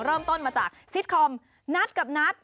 เริ่มต้นมาจากซิตคอมนัทกับนัท